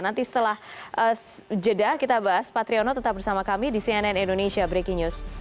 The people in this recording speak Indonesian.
nanti setelah jeda kita bahas patriono tetap bersama kami di cnn indonesia breaking news